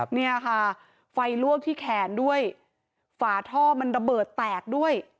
เนี่ยค่ะไฟลวกที่แขนด้วยฝาท่อมันระเบิดแตกด้วย